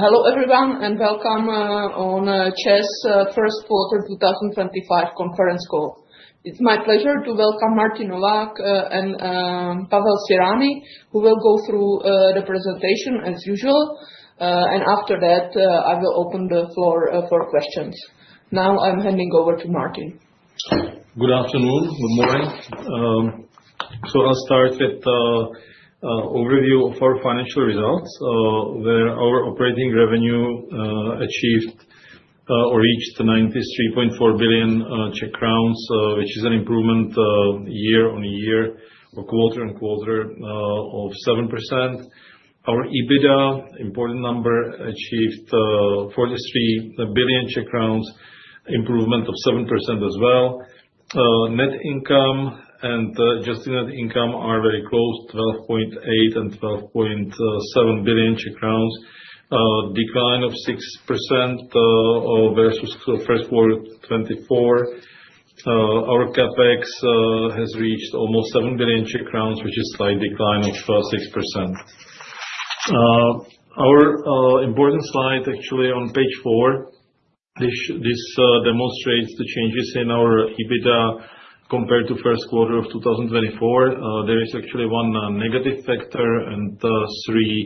Hello everyone and welcome on ČEZ First Quarter 2025 Conference Call. It's my pleasure to welcome Martin Novák and Pavel Cyrani, who will go through the presentation as usual, and after that I will open the floor for questions. Now I'm handing over to Martin. Good afternoon, good morning. I will start with an overview of our financial results, where our operating revenue achieved or reached 93.4 billion Czech crowns, which is an improvement year-on-year, or quarter-on-quarter, of 7%. Our EBITDA, important number, achieved 43 billion Czech crowns, improvement of 7% as well. Net income and just the net income are very close: 12.8 billion and 12.7 billion Czech crowns, decline of 6% versus first quarter 2024. Our CapEx has reached almost 7 billion, which is a slight decline of 6%. Our important slide, actually on page four, this demonstrates the changes in our EBITDA compared to first quarter of 2024. There is actually one negative factor and three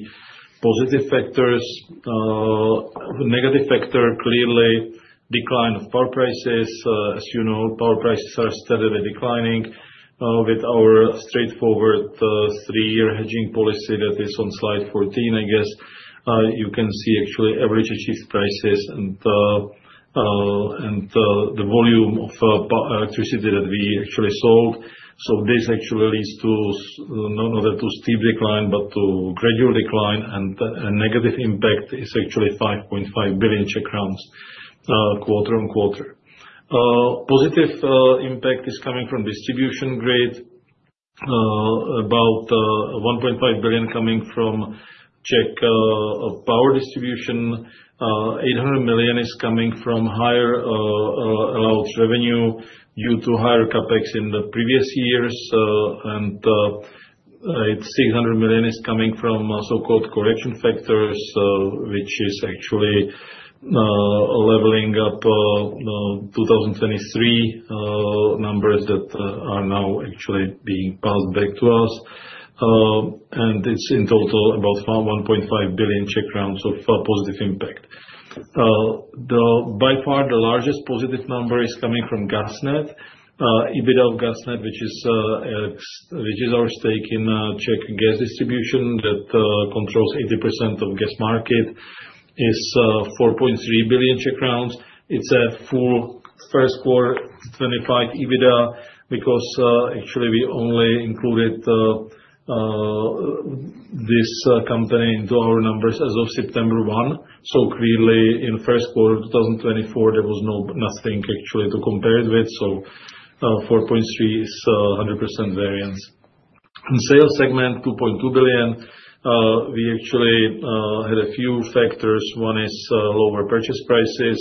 positive factors. Negative factor, clearly, decline of power prices. As you know, power prices are steadily declining. With our straightforward three-year hedging policy that is on slide 14, I guess, you can see actually average achieved prices and the volume of electricity that we actually sold. This actually leads to not too steep decline, but to gradual decline, and a negative impact is actually 5.5 billion Czech crowns quarter-on-quarter. Positive impact is coming from distribution grid, about 1.5 billion coming from Czech power distribution. 800 million is coming from higher allowed revenue due to higher CapEx in the previous years, and 600 million is coming from so-called correction factors, which is actually leveling up 2023 numbers that are now actually being passed back to us. It is in total about 1.5 billion of positive impact. By far, the largest positive number is coming from GasNet, EBITDA of GasNet, which is our stake in Czech gas distribution that controls 80% of the gas market, is 4.3 billion. It is a full first quarter 2025 EBITDA because actually we only included this company into our numbers as of September 1. Clearly in first quarter 2024, there was nothing actually to compare it with. 4.3 billion is 100% variance. In sales segment, 2.2 billion. We actually had a few factors. One is lower purchase prices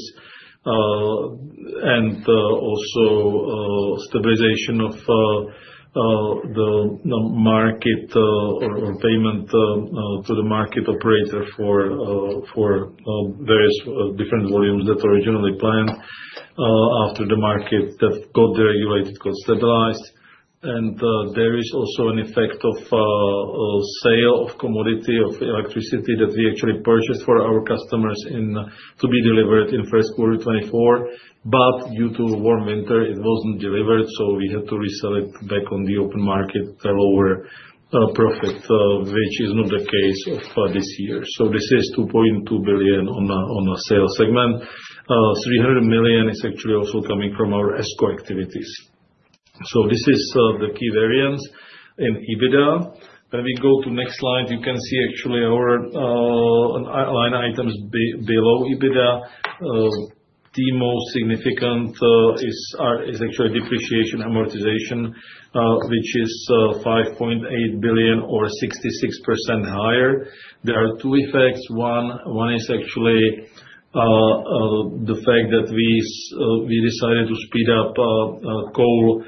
and also stabilization of the market or payment to the market operator for various different volumes that were originally planned after the market that got deregulated, got stabilized. There is also an effect of sale of commodity of electricity that we actually purchased for our customers to be delivered in first quarter 2024, but due to warm winter, it was not delivered. We had to resell it back on the open market at a lower profit, which is not the case this year. This is 2.2 billion on the sales segment. 300 million is actually also coming from our escrow activities. This is the key variance in EBITDA. When we go to the next slide, you can see our line items below EBITDA. The most significant is depreciation and amortization, which is 5.8 billion or 66% higher. There are two effects. One is the fact that we decided to speed up coal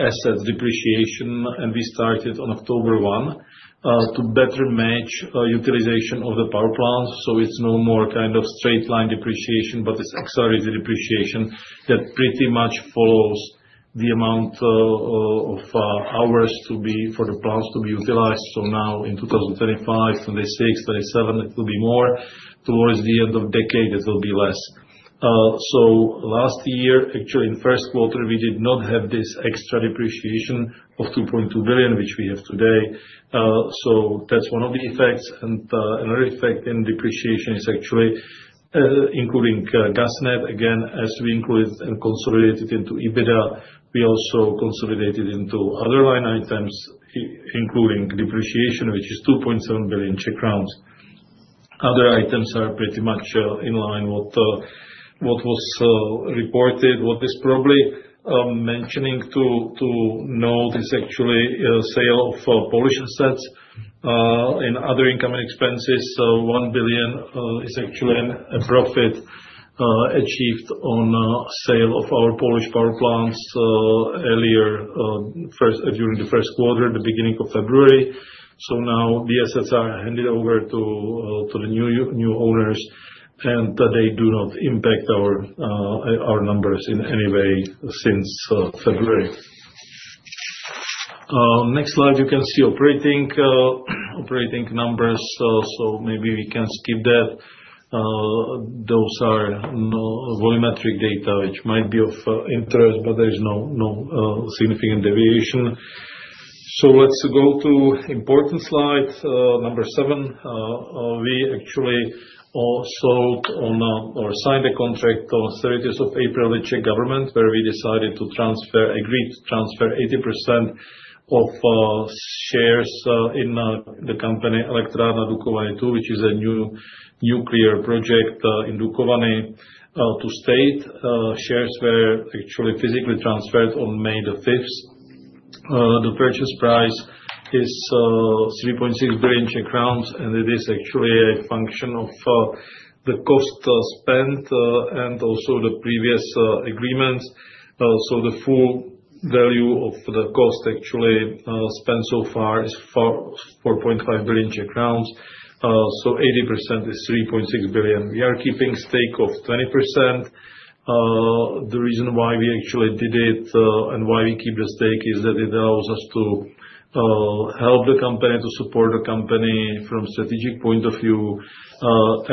assets depreciation, and we started on October 1 to better match utilization of the power plants. It is no more kind of straight line depreciation, but it is accelerated depreciation that pretty much follows the amount of hours for the plants to be utilized from now. In 2025, 2026, 2027, it will be more. Towards the end of the decade, it will be less. Last year, actually in first quarter, we did not have this extra depreciation of 2.2 billion, which we have today. That is one of the effects. Another effect in depreciation is actually including GasNet. Again, as we included and consolidated into EBITDA, we also consolidated into other line items, including depreciation, which is 2.7 billion Czech crowns. Other items are pretty much in line with what was reported. What is probably mentioning to note is actually sale of Polish assets and other incoming expenses. 1 billion is actually a profit achieved on sale of our Polish power plants earlier during the first quarter, the beginning of February. Now the assets are handed over to the new owners, and they do not impact our numbers in any way since February. Next slide, you can see operating numbers. Maybe we can skip that. Those are volumetric data, which might be of interest, but there is no significant deviation. Let's go to important slide, number seven. We actually sold on or signed a contract on 30th of April with Czech government, where we decided to transfer, agreed to transfer 80% of shares in the company Elektrárna Dukovany II, which is a new nuclear project in Dukovany, to state. Shares were actually physically transferred on May the 5th. The purchase price is 3.6 billion Czech crowns, and it is actually a function of the cost spent and also the previous agreements. The full value of the cost actually spent so far is 4.5 billion Czech crowns. So 80% is 3.6 billion. We are keeping a stake of 20%. The reason why we actually did it and why we keep the stake is that it allows us to help the company, to support the company from a strategic point of view,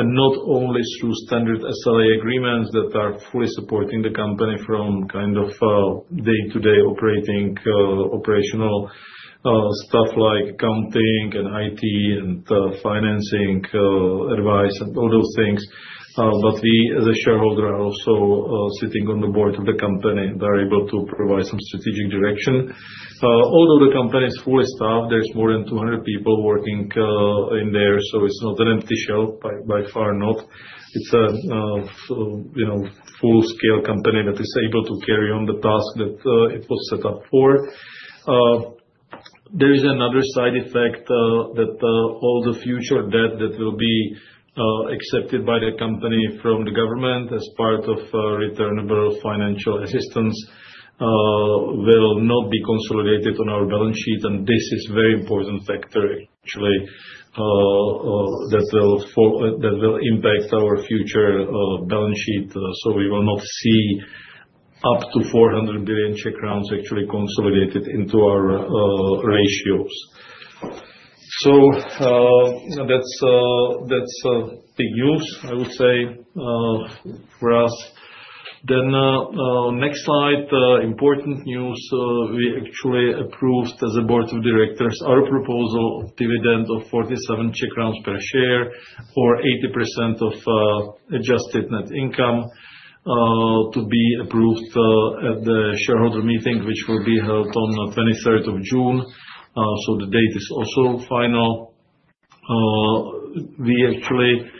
and not only through standard SLA agreements that are fully supporting the company from kind of day-to-day operating operational stuff like accounting and IT and financing advice and all those things. We, as a shareholder, are also sitting on the board of the company and are able to provide some strategic direction. Although the company is fully staffed, there are more than 200 people working in there, so it's not an empty shelf, by far not. It's a full-scale company that is able to carry on the task that it was set up for. There is another side effect that all the future debt that will be accepted by the company from the government as part of returnable financial assistance will not be consolidated on our balance sheet, and this is a very important factor actually that will impact our future balance sheet. We will not see up to 400 billion actually consolidated into our ratios. That is big news, I would say, for us. Next slide, important news. We actually approved as a Board of Directors our proposal of dividend of 47 Czech crowns per share or 80% of adjusted net income to be approved at the shareholder meeting, which will be held on the 23rd of June. The date is also final. We actually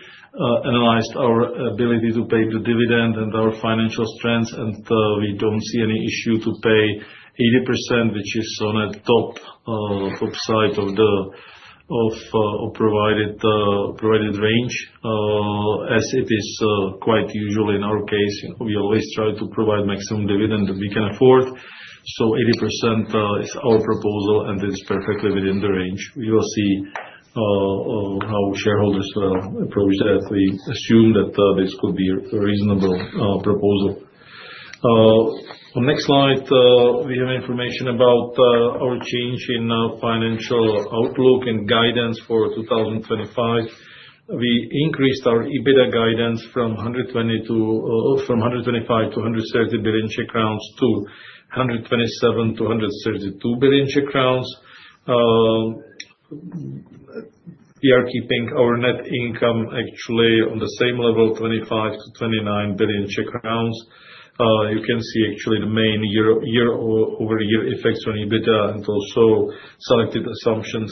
analyzed our ability to pay the dividend and our financial strengths, and we do not see any issue to pay 80%, which is on the top side of the provided range, as it is quite usual in our case. We always try to provide maximum dividend that we can afford. So 80% is our proposal, and it is perfectly within the range. We will see how shareholders will approach that. We assume that this could be a reasonable proposal. On the next slide, we have information about our change in financial outlook and guidance for 2025. We increased our EBITDA guidance from 125 billion to 130 billion Czech crowns to 127 billion to 132 billion Czech crowns. We are keeping our net income actually on the same level, 25 billion-29 billion Czech crowns. You can see actually the main year-over-year effects on EBITDA and also selected assumptions,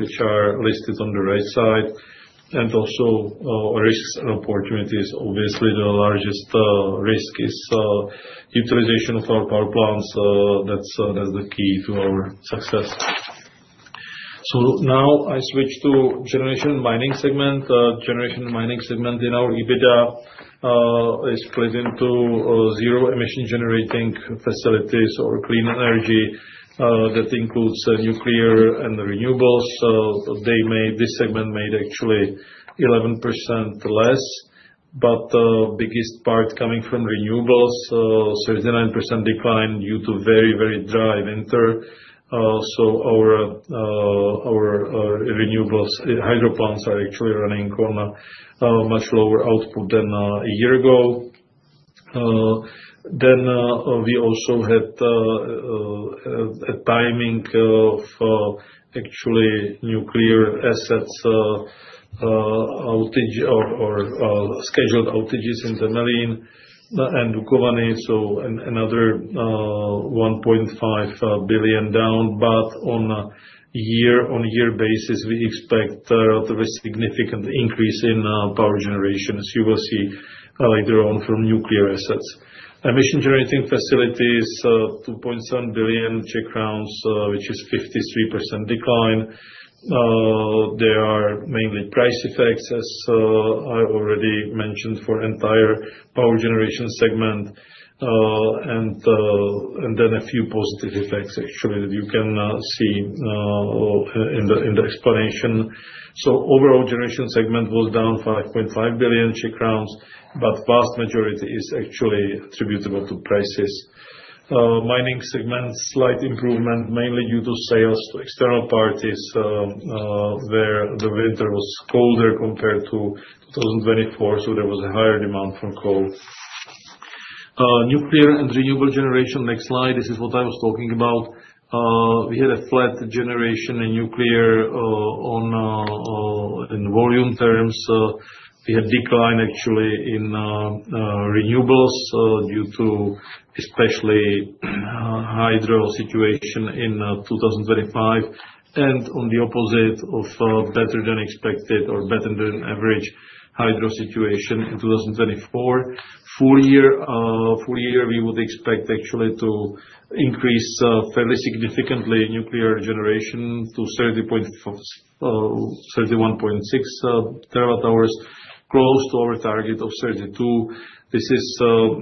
which are listed on the right side. Also, risks and opportunities, obviously the largest risk is utilization of our power plants. That is the key to our success. Now I switch to generation mining segment. Generation mining segment in our EBITDA is split into zero-emission generating facilities or clean energy that includes nuclear and renewables. This segment made actually 11% less, but the biggest part coming from renewables, 39% decline due to very, very dry winter. Our renewables, hydro plants, are actually running on a much lower output than a year ago. We also had a timing of actually nuclear assets outage or scheduled outages in Temelín and Dukovany, so another 1.5 billion down. On a year-on-year basis, we expect a significant increase in power generation, as you will see later on from nuclear assets. Emission generating facilities, 2.7 billion Czech crowns, which is 53% decline. There are mainly price effects, as I already mentioned, for the entire power generation segment, and then a few positive effects actually that you can see in the explanation. Overall, generation segment was down 5.5 billion, but the vast majority is actually attributable to prices. Mining segment, slight improvement mainly due to sales to external parties where the winter was colder compared to 2024, so there was a higher demand for coal. Nuclear and renewable generation, next slide. This is what I was talking about. We had a flat generation in nuclear in volume terms. We had decline actually in renewables due to especially hydro situation in 2025, and on the opposite of better than expected or better than average hydro situation in 2024. Full year, we would expect actually to increase fairly significantly nuclear generation to 31.6 terawatt hours, close to our target of 32. This is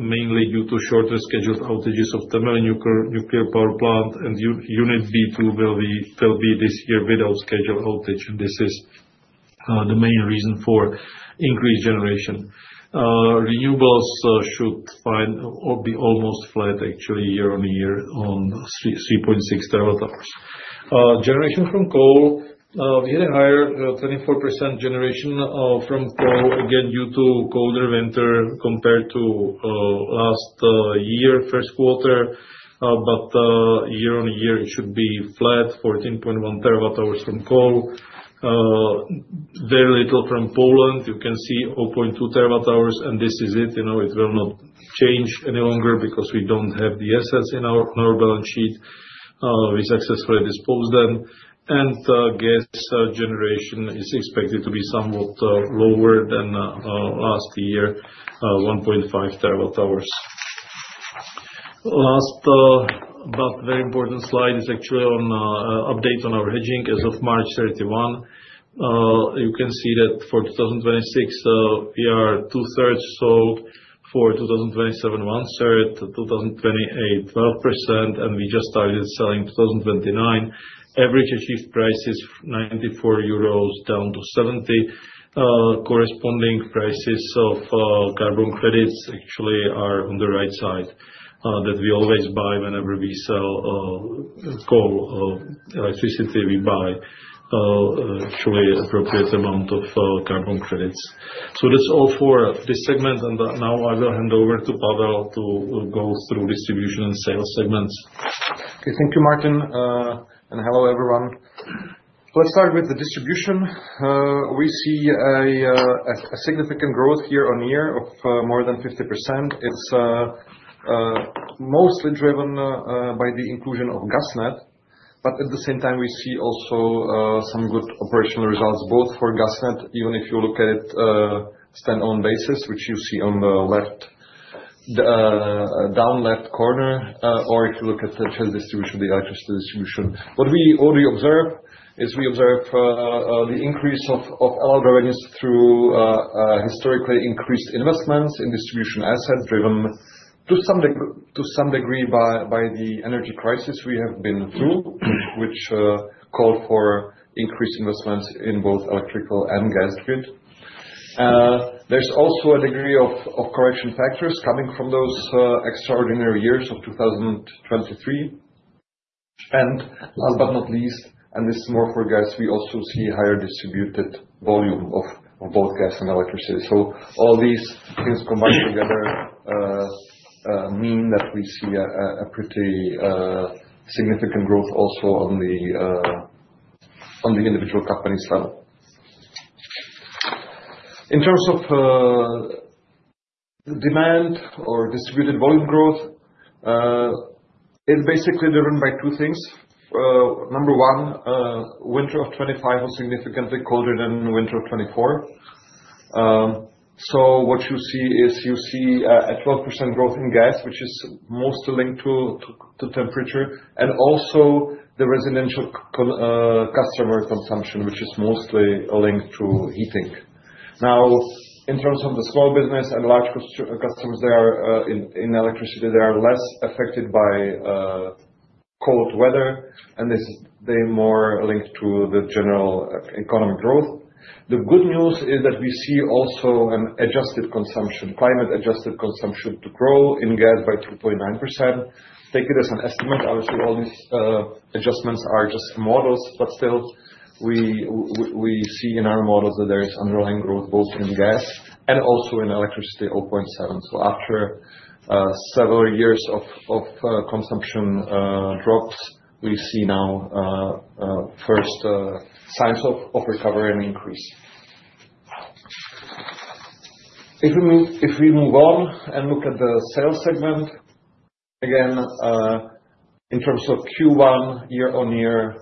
mainly due to shorter scheduled outages of the Temelín nuclear power plant, and unit B2 will be this year without scheduled outage, and this is the main reason for increased generation. Renewables should be almost flat actually year-on-year on 3.6 terawatt hours. Generation from coal, we had a higher 24% generation from coal, again due to colder winter compared to last year, first quarter, but year-on-year, it should be flat, 14.1 terawatt hours from coal. Very little from Poland, you can see 0.2 terawatt hours, and this is it. It will not change any longer because we do not have the assets in our balance sheet. We successfully disposed them. Gas generation is expected to be somewhat lower than last year, 1.5 terawatt hours. Last but very important slide is actually an update on our hedging as of March 31. You can see that for 2026, we are two-thirds sold, for 2027, one-third, 2028, 12%, and we just started selling 2029. Average achieved price is 94 euros down to 70. Corresponding prices of carbon credits actually are on the right side that we always buy whenever we sell coal electricity. We buy actually an appropriate amount of carbon credits. That is all for this segment, and now I will hand over to Pavel to go through distribution and sales segments. Okay, thank you, Martin, and hello everyone. Let's start with the distribution. We see a significant growth year-on-year of more than 50%. It's mostly driven by the inclusion of GasNet, but at the same time, we see also some good operational results, both for GasNet, even if you look at it on a standalone basis, which you see on the down left corner, or if you look at the ČEZ distribution, the electricity distribution. What we observe is we observe the increase of allowed revenues through historically increased investments in distribution assets driven to some degree by the energy crisis we have been through, which called for increased investments in both electrical and gas grid. There's also a degree of correction factors coming from those extraordinary years of 2023. Last but not least, and this is more for gas, we also see higher distributed volume of both gas and electricity. All these things combined together mean that we see a pretty significant growth also on the individual company's level. In terms of demand or distributed volume growth, it's basically driven by two things. Number one, winter of 2025 was significantly colder than winter of 2024. What you see is you see a 12% growth in gas, which is mostly linked to temperature, and also the residential customer consumption, which is mostly linked to heating. Now, in terms of the small business and large customers, in electricity, they are less affected by cold weather, and they're more linked to the general economic growth. The good news is that we see also an adjusted consumption, climate-adjusted consumption to coal in gas by 2.9%. Take it as an estimate. Obviously, all these adjustments are just models, but still, we see in our models that there is underlying growth both in gas and also in electricity, 0.7. After several years of consumption drops, we see now first signs of recovery and increase. If we move on and look at the sales segment, again, in terms of Q1, year-on-year,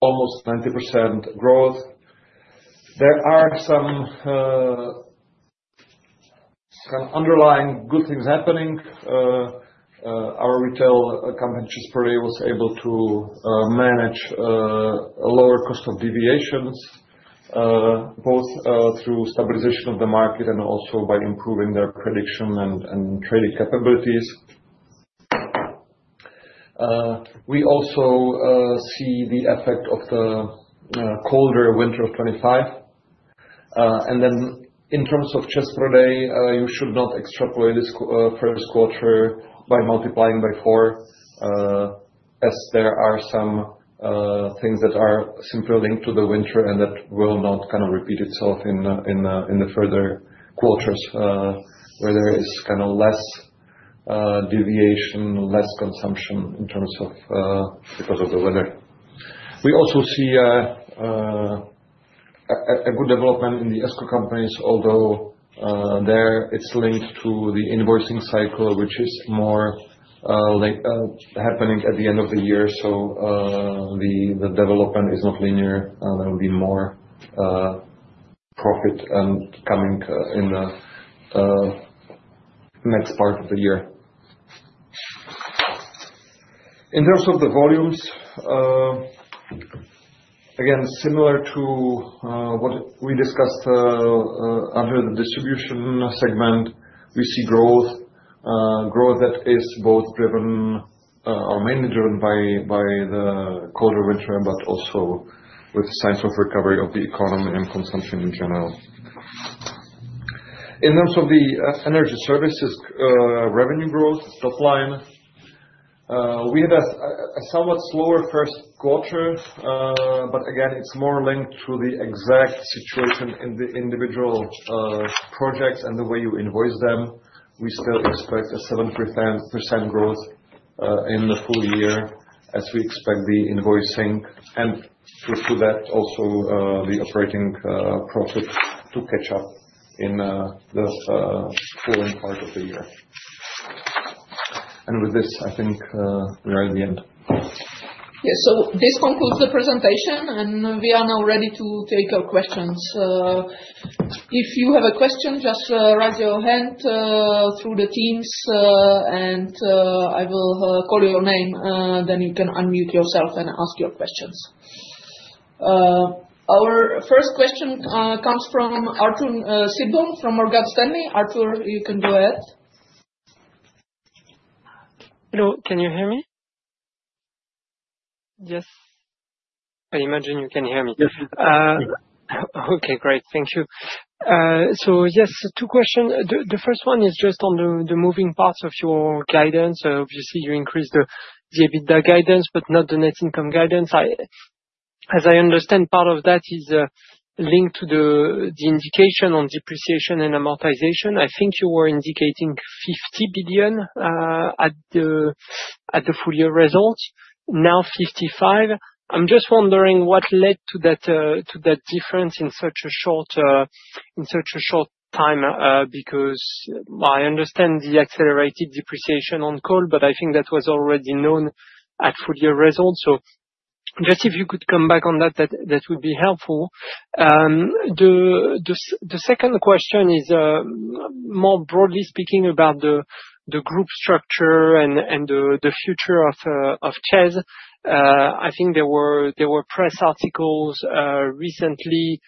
almost 90% growth. There are some kind of underlying good things happening. Our retail company, ČEZ Prodej, was able to manage a lower cost of deviations, both through stabilization of the market and also by improving their prediction and trading capabilities. We also see the effect of the colder winter of 2025. In terms of ČEZ Prodej, you should not extrapolate this first quarter by multiplying by four, as there are some things that are simply linked to the winter and that will not kind of repeat itself in the further quarters where there is kind of less deviation, less consumption in terms of because of the weather. We also see a good development in the escrow companies, although there it is linked to the invoicing cycle, which is more happening at the end of the year. The development is not linear. There will be more profit coming in the next part of the year. In terms of the volumes, again, similar to what we discussed under the distribution segment, we see growth, growth that is both driven or mainly driven by the colder winter, but also with signs of recovery of the economy and consumption in general. In terms of the energy services revenue growth, top line, we had a somewhat slower first quarter, but again, it is more linked to the exact situation in the individual projects and the way you invoice them. We still expect a 7% growth in the full year as we expect the invoicing and to that also the operating profit to catch up in the following part of the year. With this, I think we are at the end. Yeah, this concludes the presentation, and we are now ready to take your questions. If you have a question, just raise your hand through Teams, and I will call your name, then you can unmute yourself and ask your questions. Our first question comes from Arthur Sitbon from Morgan Stanley. Arthur, you can go ahead. Hello, can you hear me? Yes. I imagine you can hear me. Yes. Okay, great. Thank you. Yes, two questions. The first one is just on the moving parts of your guidance. Obviously, you increased the EBITDA guidance, but not the net income guidance. As I understand, part of that is linked to the indication on depreciation and amortization. I think you were indicating 50 billion at the full year result, now 55 billion. I'm just wondering what led to that difference in such a short time because I understand the accelerated depreciation on coal, but I think that was already known at full year result. Just if you could come back on that, that would be helpful. The second question is, more broadly speaking, about the group structure and the future of ČEZ. I think there were press articles recently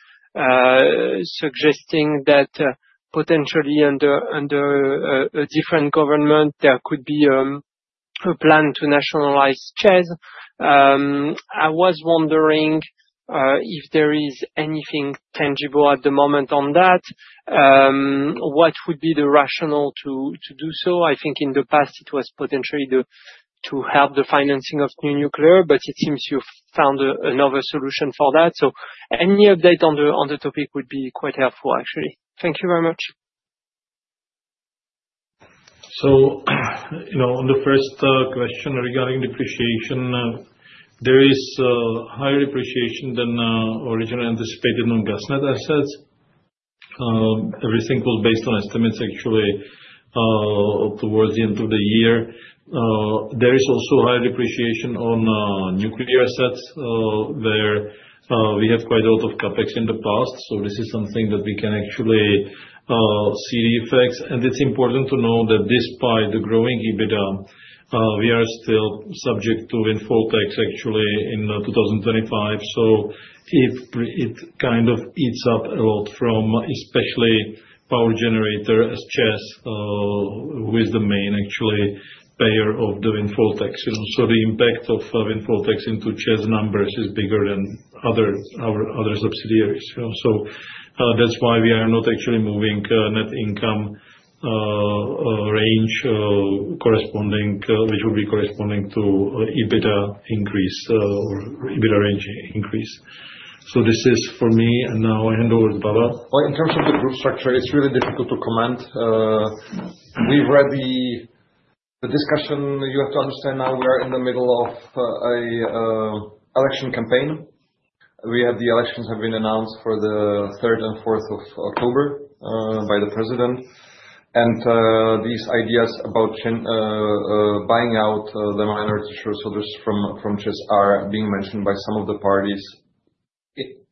suggesting that potentially under a different government, there could be a plan to nationalize ČEZ. I was wondering if there is anything tangible at the moment on that. What would be the rationale to do so? I think in the past, it was potentially to help the financing of new nuclear, but it seems you've found another solution for that. Any update on the topic would be quite helpful, actually. Thank you very much. On the first question regarding depreciation, there is higher depreciation than originally anticipated on GasNet assets. Everything was based on estimates actually towards the end of the year. There is also higher depreciation on nuclear assets where we had quite a lot of CapEx in the past. This is something that we can actually see the effects. It's important to know that despite the growing EBITDA, we are still subject to windfall tax actually in 2025. It kind of eats up a lot from especially power generator as ČEZ, who is the main actually payer of the windfall tax. The impact of windfall tax into ČEZ numbers is bigger than other subsidiaries. That is why we are not actually moving net income range corresponding, which would be corresponding to EBITDA increase or EBITDA range increase. This is for me, and now I hand over to Pavel. In terms of the group structure, it is really difficult to comment. We have read the discussion. You have to understand now we are in the middle of an election campaign. We have the elections have been announced for the 3rd and 4th of October by the president. These ideas about buying out the minority shareholders from ČEZ are being mentioned by some of the parties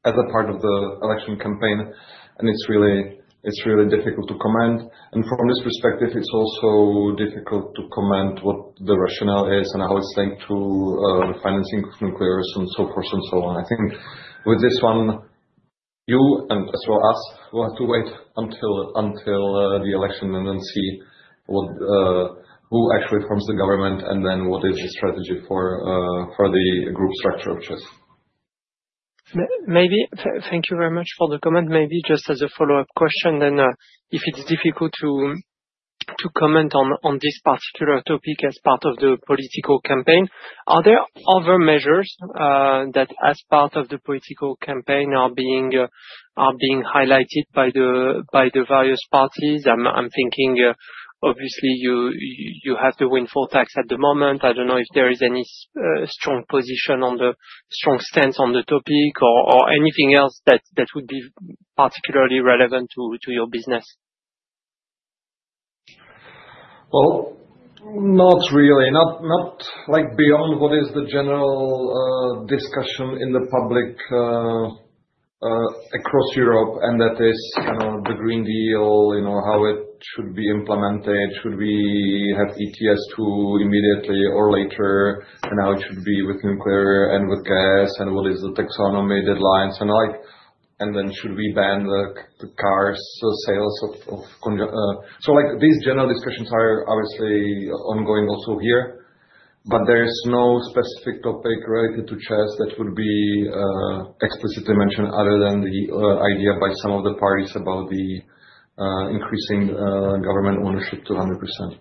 as a part of the election campaign. It is really difficult to comment. From this perspective, it's also difficult to comment what the rationale is and how it's linked to the financing of nuclears and so forth and so on. I think with this one, you and as well us, we'll have to wait until the election and then see who actually forms the government and then what is the strategy for the group structure of ČEZ. Maybe. Thank you very much for the comment. Maybe just as a follow-up question, then if it's difficult to comment on this particular topic as part of the political campaign, are there other measures that as part of the political campaign are being highlighted by the various parties? I'm thinking, obviously, you have the windfall tax at the moment. I don't know if there is any strong position on the strong stance on the topic or anything else that would be particularly relevant to your business. Not really. Not beyond what is the general discussion in the public across Europe, and that is the Green Deal, how it should be implemented. Should we have ETS2 immediately or later? How it should be with nuclear and with gas and what are the taxonomy deadlines? Should we ban the cars' sales? These general discussions are obviously ongoing also here, but there is no specific topic related to ČEZ that would be explicitly mentioned other than the idea by some of the parties about the increasing government ownership to 100%.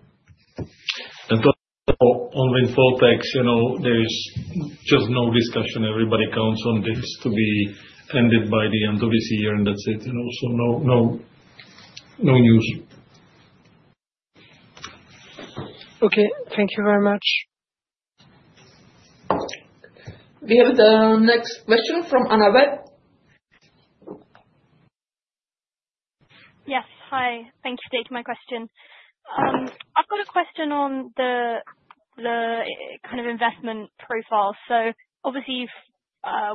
On windfall tax, there is just no discussion. Everybody counts on this to be ended by the end of this year and that's it. No news. Okay. Thank you very much. We have the next question from Anna Webb. Yes. Hi. Thank you for taking my question. I've got a question on the kind of investment profile. Obviously,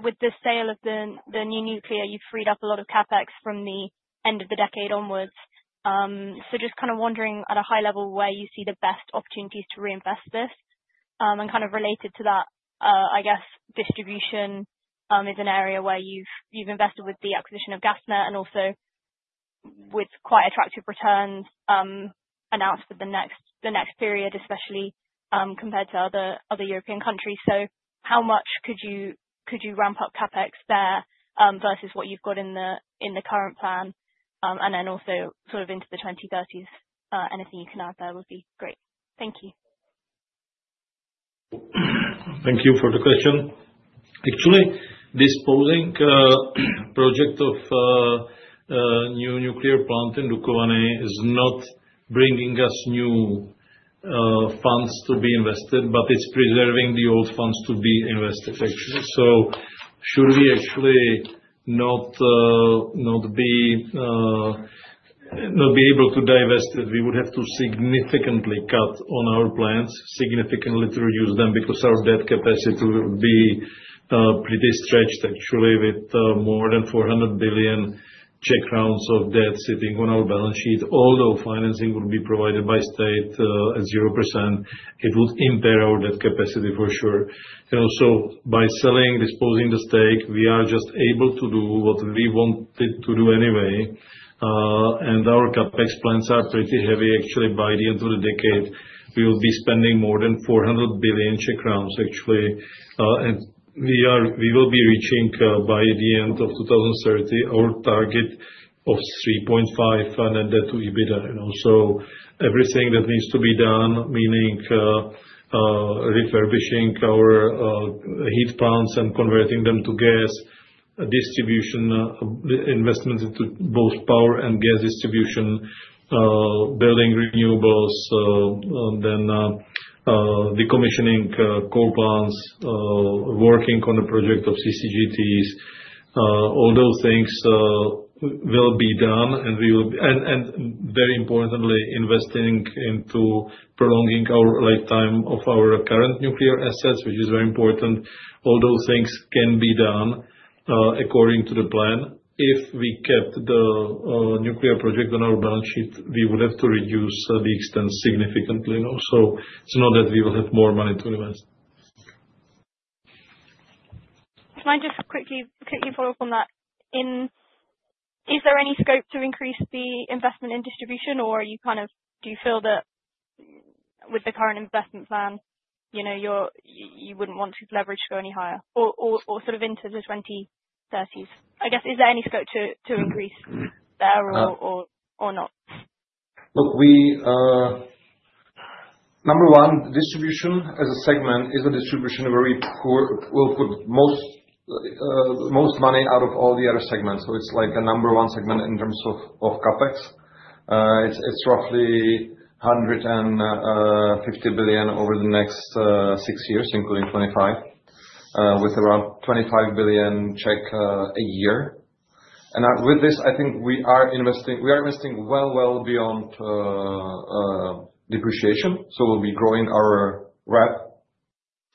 with the sale of the new nuclear, you've freed up a lot of CapEx from the end of the decade onwards. Just kind of wondering at a high level where you see the best opportunities to reinvest this. Kind of related to that, I guess distribution is an area where you've invested with the acquisition of GasNet and also with quite attractive returns announced for the next period, especially compared to other European countries. How much could you ramp up CapEx there versus what you've got in the current plan? Also, sort of into the 2030s, anything you can add there would be great. Thank you. Thank you for the question. Actually, this polling project of new nuclear plant in Dukovany is not bringing us new funds to be invested, but it's preserving the old funds to be invested, actually. Should we actually not be able to divest it, we would have to significantly cut on our plans, significantly to reduce them because our debt capacity would be pretty stretched, actually, with more than 400 billion of debt sitting on our balance sheet. Although financing would be provided by state at 0%, it would impair our debt capacity for sure. Also, by selling, disposing the stake, we are just able to do what we wanted to do anyway. Our CapEx plans are pretty heavy, actually. By the end of the decade, we will be spending more than 400 billion Czech crowns, actually. We will be reaching by the end of 2030 our target of 3.5 net debt to EBITDA. Everything that needs to be done, meaning refurbishing our heat plants and converting them to gas, distribution investment into both power and gas distribution, building renewables, then decommissioning coal plants, working on the project of CCGTs, all those things will be done. Very importantly, investing into prolonging our lifetime of our current nuclear assets, which is very important. All those things can be done according to the plan. If we kept the nuclear project on our balance sheet, we would have to reduce the expense significantly. It is not that we will have more money to invest. Can I just quickly follow up on that? Is there any scope to increase the investment in distribution, or do you feel that with the current investment plan, you would not want leverage to go any higher or sort of into the 2030s? I guess, is there any scope to increase there or not? Look, number one, distribution as a segment is a distribution where we will put most money out of all the other segments. It is the number one segment in terms of CapEx. It is roughly 150 billion over the next six years, including 2025, with around 25 billion a year. With this, I think we are investing well, well beyond depreciation. We will be growing our RAB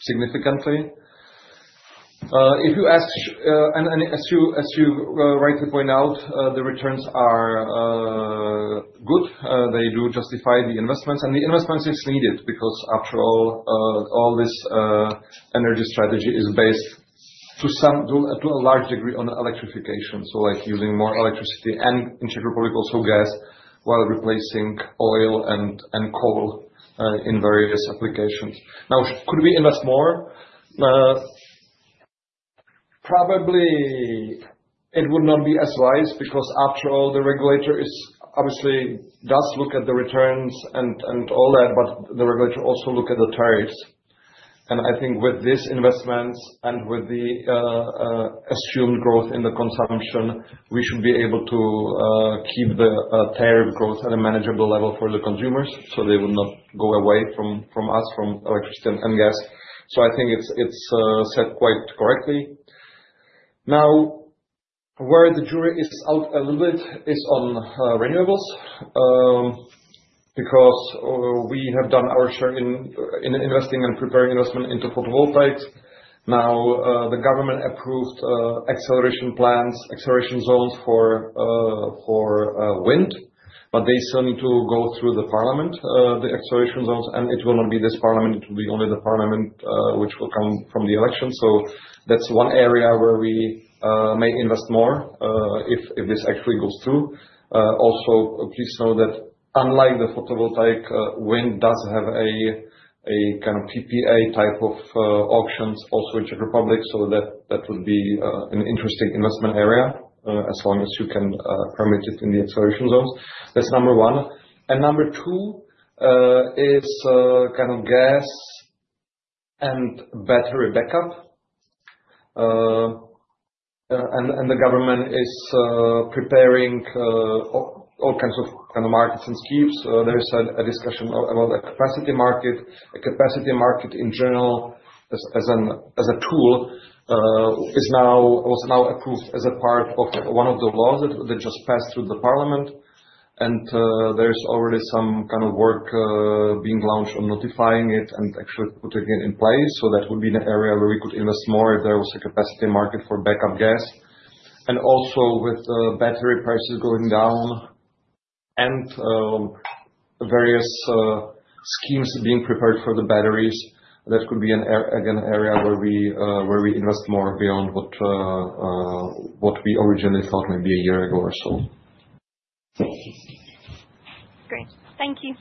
significantly. If you ask, and as you rightly point out, the returns are good. They do justify the investments. The investment is needed because after all, all this energy strategy is based to a large degree on electrification. Using more electricity and in Czech Republic also gas while replacing oil and coal in various applications. Could we invest more? Probably it would not be as wise because after all, the regulator obviously does look at the returns and all that, but the regulator also looks at the tariffs. I think with these investments and with the assumed growth in the consumption, we should be able to keep the tariff growth at a manageable level for the consumers so they would not go away from us, from electricity and gas. I think it's said quite correctly. Where the jury is out a little bit is on renewables because we have done our share in investing and preparing investment into photovoltaics. Now, the government approved acceleration plans, acceleration zones for wind, but they still need to go through the parliament, the acceleration zones, and it will not be this parliament. It will be only the parliament which will come from the election. That is one area where we may invest more if this actually goes through. Also, please know that unlike the photovoltaic, wind does have a kind of PPA type of auctions also in Czech Republic, so that would be an interesting investment area as long as you can permit it in the acceleration zones. That is number one. Number two is kind of gas and battery backup. The government is preparing all kinds of kind of markets and schemes. There is a discussion about a capacity market. A capacity market in general as a tool was now approved as a part of one of the laws that just passed through the parliament. There is already some kind of work being launched on notifying it and actually putting it in place. That would be an area where we could invest more if there was a capacity market for backup gas. Also, with battery prices going down and various schemes being prepared for the batteries, that could be an area where we invest more beyond what we originally thought maybe a year ago or so. Great. Thank you.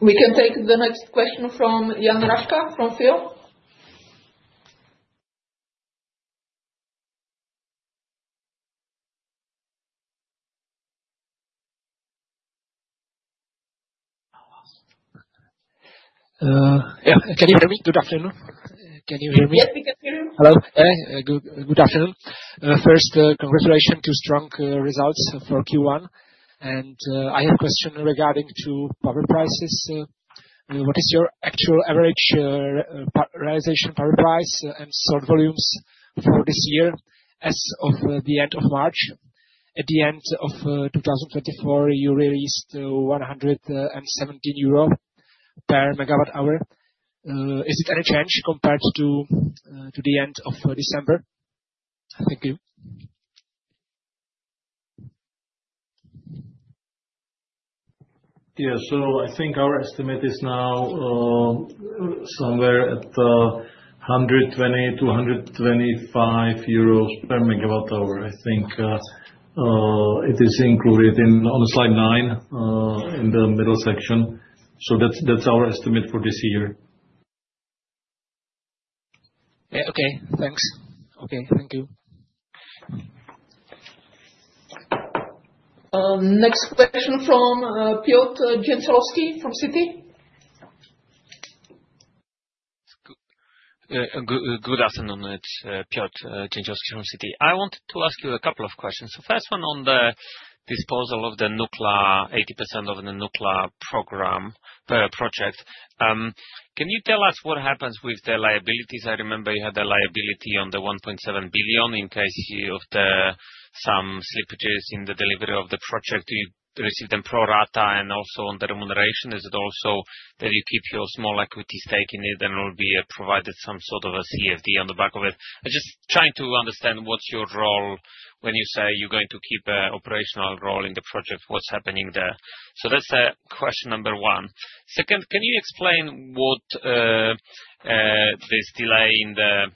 We can take the next question from Jan Raška from Fio. Yeah. Can you hear me? Good afternoon. Can you hear me? Yes, we can hear you. Hello. Good afternoon. First, congratulations to strong results for Q1. I have a question regarding to power prices. What is your actual average realization power price and sort volumes for this year as of the end of March? At the end of 2024, you released 117 euro per megawatt hour. Is it any change compared to the end of December? Thank you. Yeah. I think our estimate is now somewhere at 120-125 euros per megawatt hour. I think it is included on slide 9 in the middle section. That is our estimate for this year. Okay. Thanks. Okay. Thank you. Next question from Piotr Dzieciolowski from CITI. Good afternoon. It is Piotr Dzieciolowski from CITI. I want to ask you a couple of questions. The first one on the disposal of the nuclear, 80% of the nuclear program per project. Can you tell us what happens with the liabilities? I remember you had a liability on the 1.7 billion in case of some slippages in the delivery of the project. Do you receive them pro rata and also on the remuneration? Is it also that you keep your small equity stake in it and will be provided some sort of a CFD on the back of it? I'm just trying to understand what's your role when you say you're going to keep an operational role in the project, what's happening there. That's question number one. Second, can you explain what this delay in the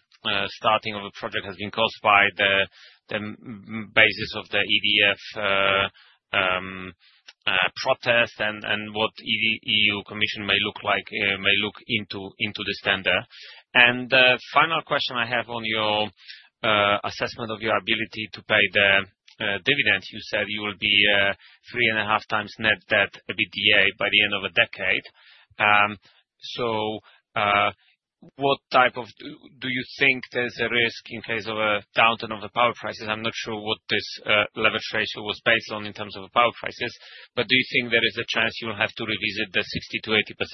starting of the project has been caused by, the basis of the EDF protest and what the EU Commission may look into this then there? The final question I have is on your assessment of your ability to pay the dividend. You said you will be three and a half times net debt to EBITDA by the end of a decade. What type of, do you think there's a risk in case of a downturn of the power prices? I'm not sure what this leverage ratio was based on in terms of the power prices, but do you think there is a chance you will have to revisit the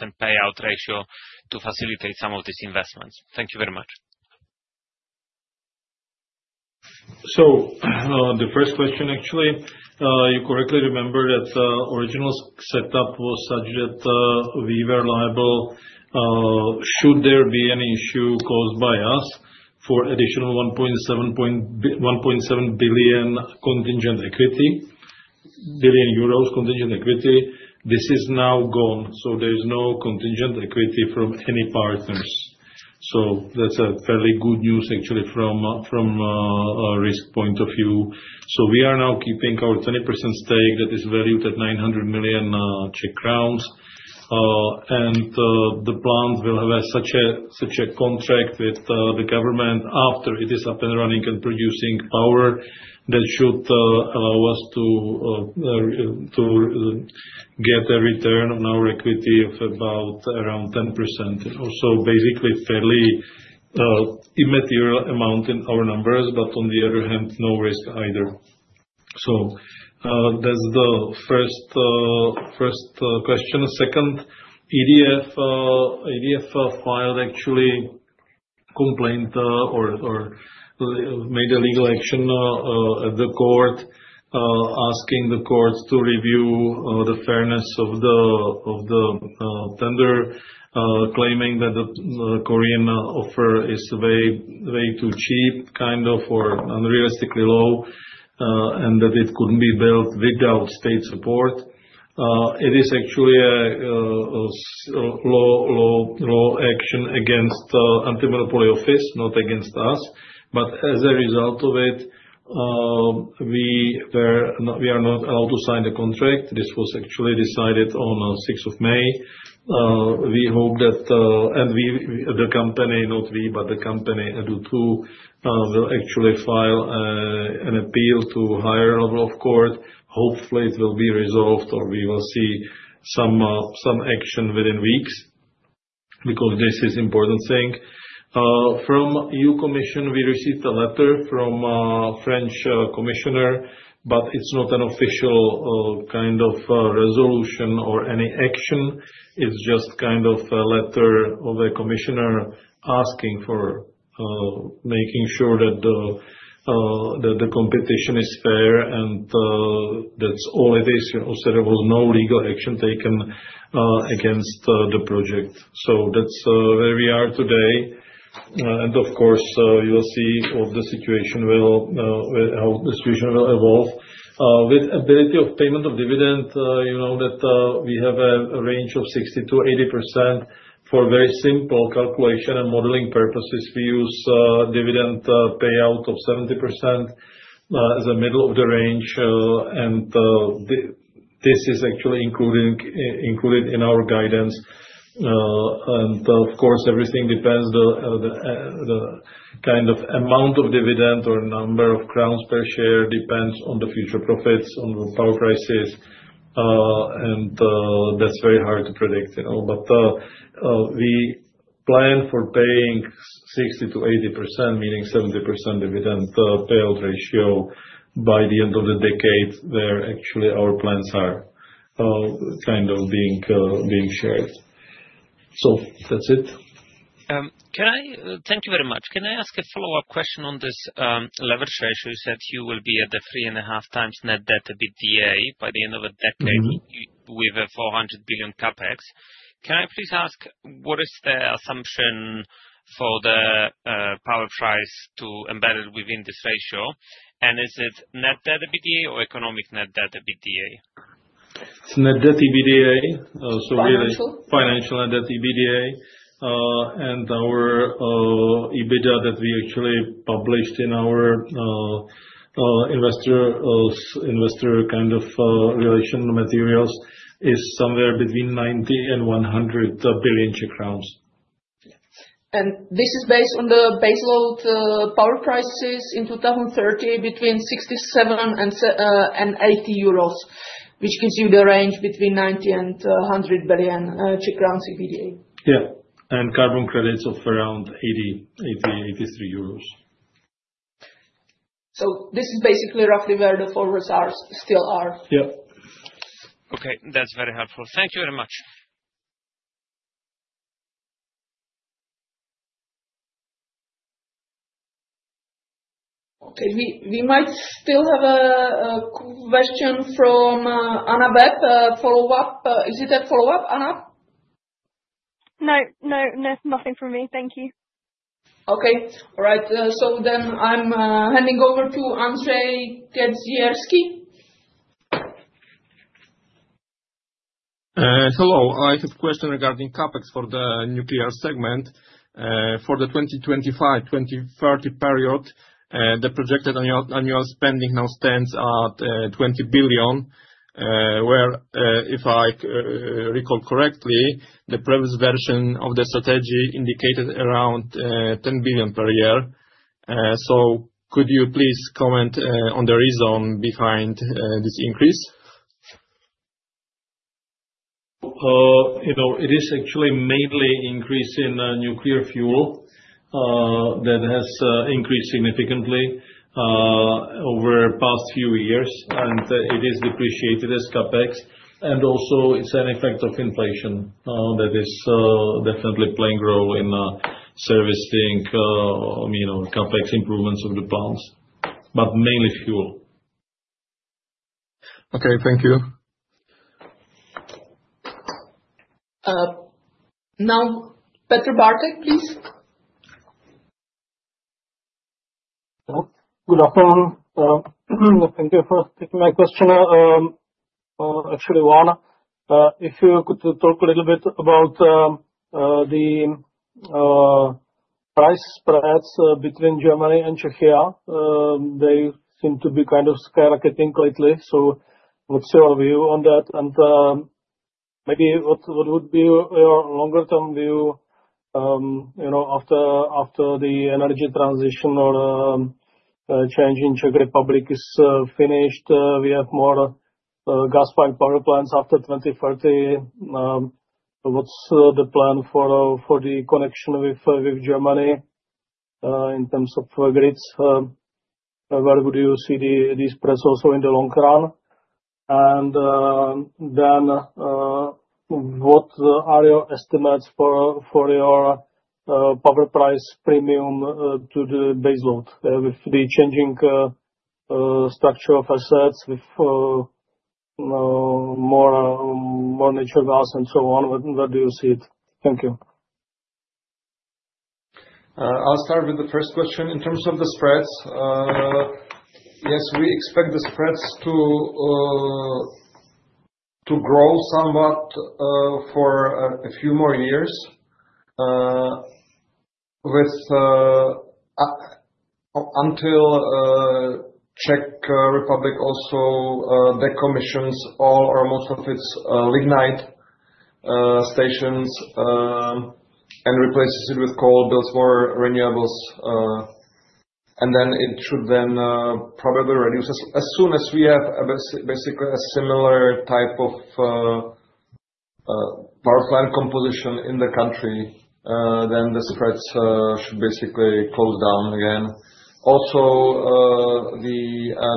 60%-80% payout ratio to facilitate some of these investments? Thank you very much. The first question, actually, you correctly remember that the original setup was such that we were liable should there be any issue caused by us for additional 1.7 billion contingent equity. This is now gone. There is no contingent equity from any partners. That's fairly good news, actually, from a risk point of view. We are now keeping our 20% stake that is valued at 900 million Czech crowns. The plant will have such a contract with the government after it is up and running and producing power that should allow us to get a return on our equity of about around 10%. Basically, fairly immaterial amount in our numbers, but on the other hand, no risk either. That is the first question. Second, EDF filed actually complaint or made a legal action at the court asking the courts to review the fairness of the tender claiming that the Korean offer is way too cheap kind of or unrealistically low and that it could not be built without state support. It is actually a law action against the Anti-Monopoly Office, not against us. As a result of it, we are not allowed to sign the contract. This was actually decided on 6th of May. We hope that the company, not we, but the company will actually file an appeal to a higher level of court. Hopefully, it will be resolved or we will see some action within weeks because this is an important thing. From EU Commission, we received a letter from a French commissioner, but it is not an official kind of resolution or any action. It is just kind of a letter of a commissioner asking for making sure that the competition is fair and that is all it is. There was no legal action taken against the project. That is where we are today. Of course, you will see how the situation will evolve. With ability of payment of dividend, you know that we have a range of 60%-80% for very simple calculation and modeling purposes. We use dividend payout of 70% as a middle of the range. This is actually included in our guidance. Of course, everything depends on the kind of amount of dividend or number of crowns per share, depends on the future profits on the power prices. That's very hard to predict. We plan for paying 60%-80%—meaning 70% dividend payout ratio by the end of the decade where actually our plans are kind of being shared. That's it. Thank you very much. Can I ask a follow-up question on this leverage ratio? You said you will be at the three and a half times net debt to EBITDA by the end of a decade with a 400 billion CapEx. Can I please ask what is the assumption for the power price to embed within this ratio? Is it net debt EBITDA or economic net debt EBITDA? It is net debt EBITDA. Financial. Financial net debt EBITDA. Our EBITDA that we actually published in our investor kind of relation materials is somewhere between 90 billion and 100 billion Czech crowns. This is based on the baseload power prices in 2030 between 67 and 80 euros, which gives you the range between 90 billion and 100 billion Czech crown EBITDA. Yeah. And carbon credits of around 80, 83 euros. This is basically roughly where the forwards still are. Yeah. Okay. That is very helpful. Thank you very much. Okay. We might still have a question from Anna Webb, a follow-up. Is it a follow-up, Anna? No. No, nothing from me. Thank you. Okay. All right. I am handing over to Andrzej Kędzierski. Hello. I have a question regarding CapEx for the nuclear segment. For the 2025-2030 period, the projected annual spending now stands at 20 billion, where if I recall correctly, the previous version of the strategy indicated around 10 billion per year. Could you please comment on the reason behind this increase? It is actually mainly increasing nuclear fuel that has increased significantly over the past few years, and it is depreciated as CapEx. It is also an effect of inflation that is definitely playing a role in servicing CapEx improvements of the plants, but mainly fuel. Okay. Thank you. Now, Petr Bártek, please. Good afternoon. Thank you for taking my question. Actually, one, if you could talk a little bit about the price spreads between Germany and Czechia, they seem to be kind of skyrocketing lately. What is your view on that? Maybe what would be your longer-term view after the energy transition or change in Czech Republic is finished? We have more gas-powered power plants after 2030. What is the plan for the connection with Germany in terms of grids? Where would you see this spread also in the long run? What are your estimates for your power price premium to the baseload with the changing structure of assets with more natural gas and so on? Where do you see it? Thank you. I'll start with the first question. In terms of the spreads, yes, we expect the spreads to grow somewhat for a few more years until Czech Republic also decommissions all or most of its lignite stations and replaces it with coal, builds more renewables. Then it should probably reduce. As soon as we have basically a similar type of power plant composition in the country, the spreads should basically close down again. The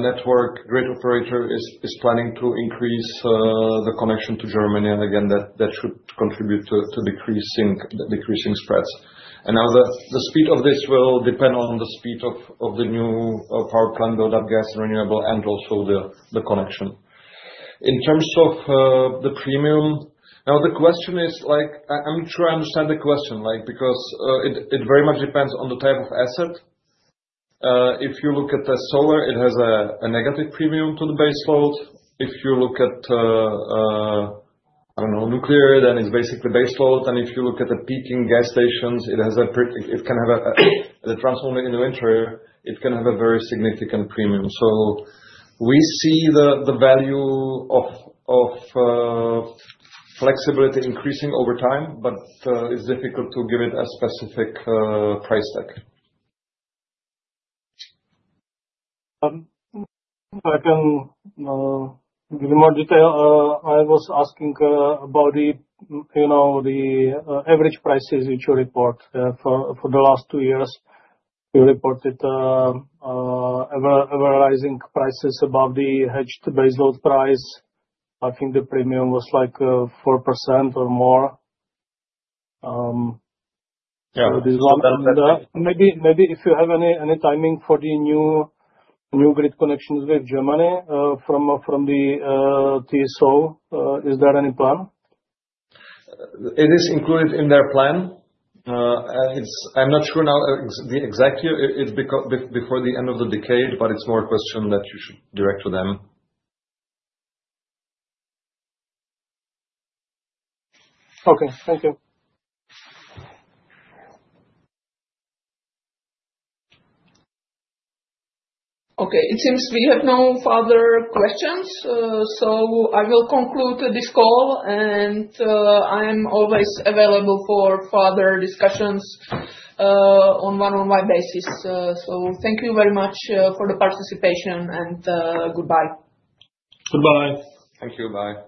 network grid operator is planning to increase the connection to Germany. That should contribute to decreasing spreads. The speed of this will depend on the speed of the new power plant build-up, gas and renewable, and also the connection. In terms of the premium, now the question is, I'm trying to understand the question because it very much depends on the type of asset. If you look at the solar, it has a negative premium to the baseload. If you look at, I don't know, nuclear, then it's basically baseload. If you look at the peaking gas stations, it can have a transforming in the winter, it can have a very significant premium. We see the value of flexibility increasing over time, but it's difficult to give it a specific price tag. I can give you more detail. I was asking about the average prices which you report for the last two years. You reported ever-rising prices above the hedged baseload price. I think the premium was like 4% or more. Yeah. Maybe if you have any timing for the new grid connections with Germany from the TSO, is there any plan? It is included in their plan. I'm not sure now the exact year before the end of the decade, but it's more a question that you should direct to them. Okay. Thank you. Okay. It seems we have no further questions. I will conclude this call, and I am always available for further discussions on a one-on-one basis. Thank you very much for the participation and goodbye. Goodbye. Thank you. Bye.